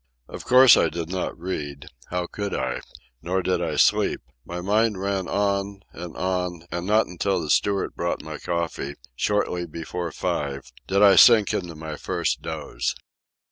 Of course I did not read. How could I? Nor did I sleep. My mind ran on, and on, and not until the steward brought my coffee, shortly before five, did I sink into my first doze.